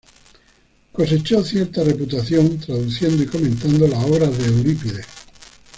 Cosechó cierta reputación traduciendo y comentando las obras de Eurípides.